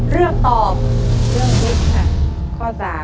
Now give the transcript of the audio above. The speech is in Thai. เลือกตอบเรื่องพลิกค่ะ